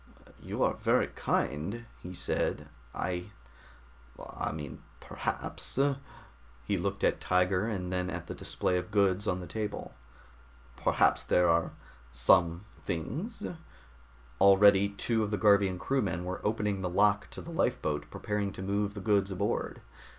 "You are very kind," he said. "I I mean perhaps " He looked at Tiger, and then at the display of goods on the table. "Perhaps there are some things " Already two of the Garvian crewmen were opening the lock to the lifeboat, preparing to move the goods aboard.